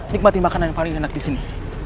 nikmati makanan yang paling enak disini